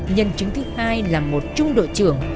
nhân chứng thứ hai là một trung đội trưởng